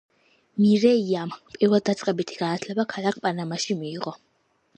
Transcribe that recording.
მირეიამ პირველდაწყებითი განათლება ქალაქ პანამაში მიიღო.